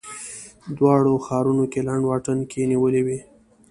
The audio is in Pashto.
دواړو ښارونو کې لنډ واټن کې نیولې وې.